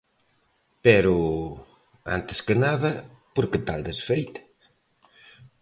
Pero, antes que nada, por que tal desfeita?